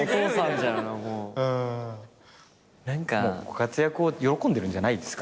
活躍を喜んでるんじゃないですか？